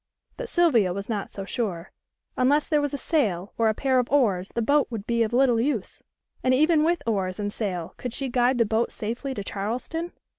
But Sylvia was not so sure. Unless there was a sail or a pair of oars the boat would be of little use, and even with oars and sail could she guide the boat safely to Charleston?